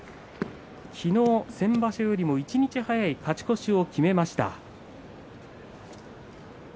昨日、先場所よりも一日早い勝ち越しを決めました。